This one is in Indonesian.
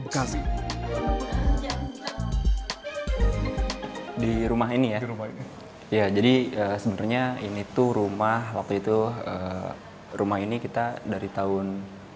bekasi di rumah ini ya jadi sebenarnya ini tuh rumah waktu itu rumah ini kita dari tahun sembilan puluh sembilan